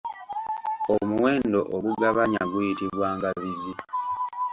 Omuwendo ogugabanya guyitibwa Ngabizi.